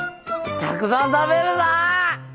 たくさん食べるぞ！